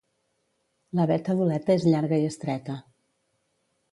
La veta d'Oleta és llarga i estreta.